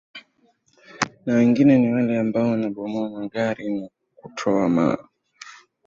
na wengine ni wale ambao wanabomoa magari na kutoa ma